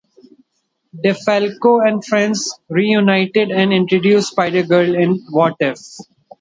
DeFalco and Frenz reunited and introduced Spider-Girl in What If...?